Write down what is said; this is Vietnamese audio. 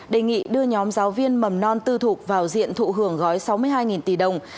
đề nghị đưa nhóm giáo viên mầm non tư thục vào diện thụ hưởng gói sáu mươi hai tỷ đồng